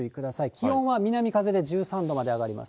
気温は南風で１３度まで上がります。